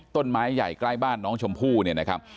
ต้นไม้ใหญ่ใกล้บ้านน้องชมพู่เนี่ยนะครับ